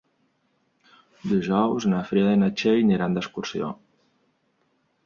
Dijous na Frida i na Txell aniran d'excursió.